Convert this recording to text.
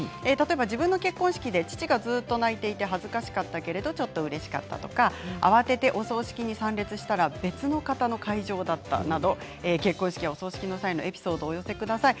自分の結婚式で父がずっと泣いていて恥ずかしかったけどちょっとうれしかったとか慌ててお葬式に参列したら別の方の会場だったなど結婚式や、お葬式の際のエピソードをお寄せください。